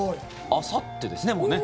あさってですね、もうね。